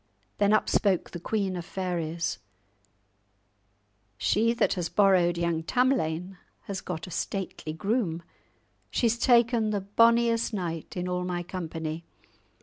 Then up spoke the Queen of Fairies, "She that has borrowed young Tamlane has got a stately groom! She's taken the bonniest knight in all my company!